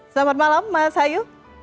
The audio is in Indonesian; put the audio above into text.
selamat malam mas hayu